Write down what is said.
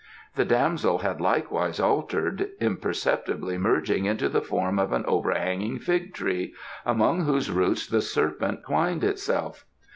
The damsel had likewise altered, imperceptibly merging into the form of an overhanging fig tree, among whose roots the serpent twined itself.